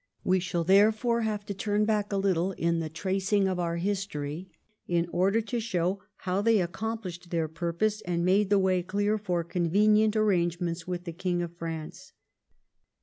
We shall therefore have to turn back a little in the tracing of our history in order to show how they accompHshed their purpose and made the way clear for convenient arrangements with the King of France.